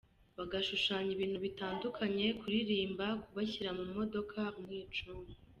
bagashushanya ibintu bitandukanye, kuririmba, kubashyira mu modoka, urwicungo.